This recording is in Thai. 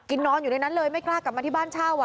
นอนอยู่ในนั้นเลยไม่กล้ากลับมาที่บ้านเช่า